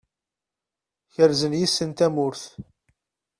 Kerzen yes-sen tamurt.